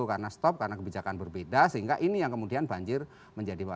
karena stop karena kebijakan berbeda sehingga ini yang kemudian banjir menjadi